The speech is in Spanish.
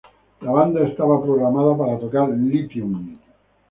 La banda estaba programada para tocar "Lithium".